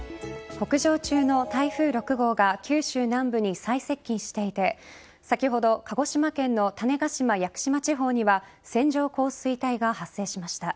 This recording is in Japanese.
北上中の台風６号が九州南部に最接近していて先ほど鹿児島県の種子島屋久島地方には線状降水帯が発生しました。